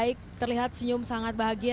baik terlihat senyum sangat bahagia